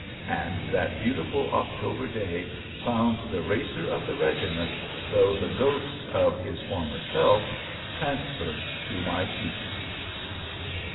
And that beautiful October day found the racer of the regiment, though the ghost of his former self, transferred to my keeping.